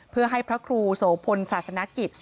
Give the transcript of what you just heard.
เพื่อให้พระคุณโศพลสตรรศนกิท